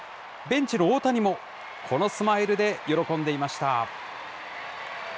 ベンチの大谷もこのスマイルで喜んでいました。